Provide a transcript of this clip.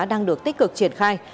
đang được tích cực triển khai